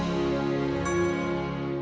tapi untuk jauhan